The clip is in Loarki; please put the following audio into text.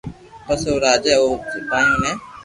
پسي او راجا اي او سپايو ني